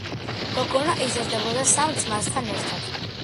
გოგონა იზრდებოდა სამ ძმასთან ერთად.